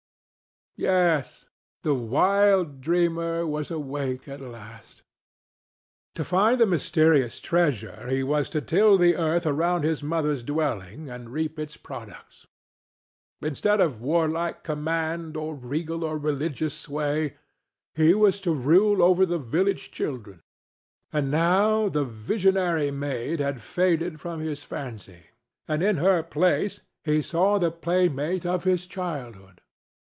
Yes, the wild dreamer was awake at last. To find the mysterious treasure he was to till the earth around his mother's dwelling and reap its products; instead of warlike command or regal or religious sway, he was to rule over the village children; and now the visionary maid had faded from his fancy, and in her place he saw the playmate of his childhood.